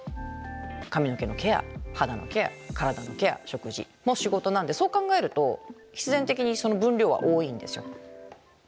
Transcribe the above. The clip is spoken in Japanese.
髪の毛のケア肌のケア体のケア食事も仕事なんでそう考えると必然的にその分量は多いんですよ。